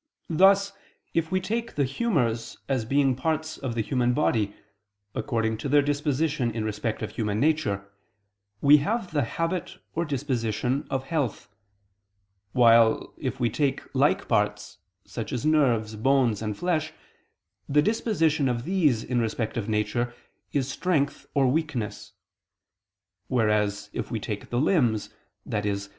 Thus, if we take the humors as being parts of the human body, according to their disposition in respect of human nature, we have the habit or disposition of health: while, if we take like parts, such as nerves, bones, and flesh, the disposition of these in respect of nature is strength or weakness; whereas, if we take the limbs, i.e.